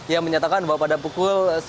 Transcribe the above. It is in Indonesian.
yang menyatakan bahwa pada pukul sepuluh